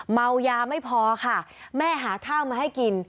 เมายาไม่พอค่ะแม่หาข้าวมาให้กิน